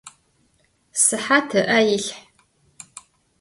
Sıhat ı'e yilh.